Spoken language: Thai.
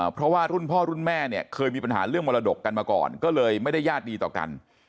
เพราะว่ารุ่นพ่อรุ่นแม่เนี่ยเคยมีปัญหาเรื่องมรดกกันมาก่อนก็เลยไม่ได้ญาติดีต่อกัน